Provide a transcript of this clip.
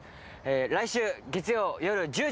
来週月曜夜１０時。